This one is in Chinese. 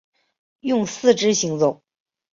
用四肢行走。